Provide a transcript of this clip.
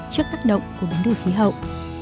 trước tác động của bến đường khí hậu